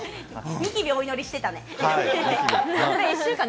ニキビ、お祈りしてたね。